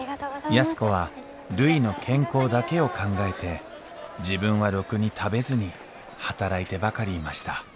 安子はるいの健康だけを考えて自分はろくに食べずに働いてばかりいました・